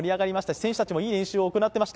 選手たちもいい練習を行っていました。